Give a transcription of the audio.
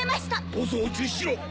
放送を中止しろ！